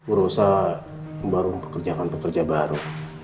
urosa membaru pekerjaan pekerja baru